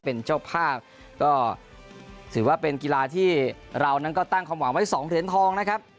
เป็นเจ้าภาพก็ถือว่าเป็นกีฬาที่เรานั้นก็ตั้งความหวังไว้สองเหรียญทองนะครับ